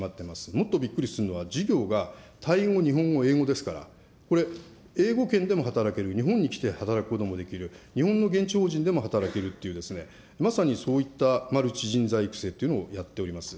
もっとびっくりするのは授業がタイ語、日本語、英語ですから、これ、英語圏でも働ける、日本に来て働くこともできる、日本の現地法人でも働けるという、まさにそういったマルチ人材育成というのをやっております。